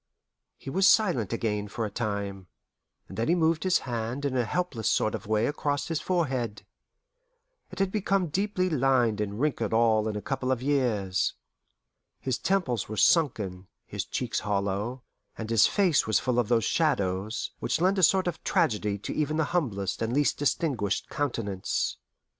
He was silent again for a time, and then he moved his hand in a helpless sort of way across his forehead. It had become deeply lined and wrinkled all in a couple of years. His temples were sunken, his cheeks hollow, and his face was full of those shadows which lend a sort of tragedy to even the humblest and least distinguished countenance.